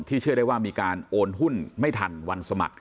เชื่อได้ว่ามีการโอนหุ้นไม่ทันวันสมัคร